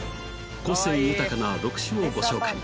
個性豊かな６種をご紹介